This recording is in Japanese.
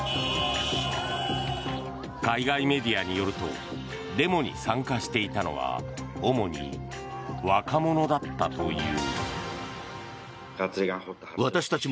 海外メディアによるとデモに参加していたのは主に若者だったという。